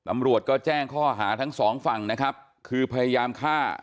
ตำรวจก็แจ้งข้อหาทั้งสองฝั่งนะครับคือพยายามฆ่า